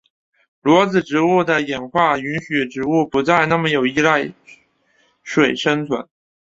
裸子植物的演化允许植物不再那么依赖水生存。